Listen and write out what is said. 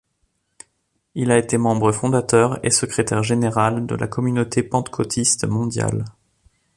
Il a été membre fondateur et secrétaire général de la Communauté pentecôtiste mondiale.